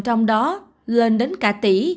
trong đó lên đến cả tỷ